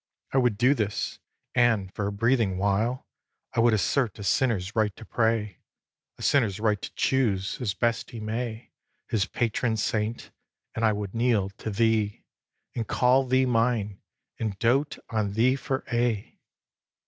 I would do this; and, for a breathing while, I would assert a sinner's right to pray, A sinner's right to choose, as best he may, His patron saint; and I would kneel to thee, And call thee mine, and dote on thee for aye!